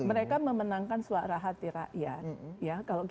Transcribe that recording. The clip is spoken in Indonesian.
mereka memenangkan suara hati rakyat